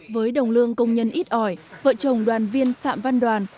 với đồng lương công nhân ít ỏi vợ chồng đoàn viên phạm văn đoàn